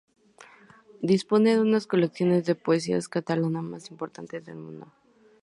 Dispone de una de las colecciones de poesía catalana más importantes del mundo.